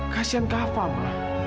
kasian kava ma